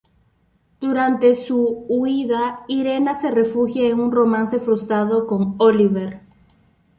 Durante su huida, Irena se refugia en un romance frustrado con Oliver.